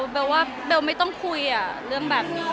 เบลว่าเบลไม่ต้องคุยเรื่องแบบนี้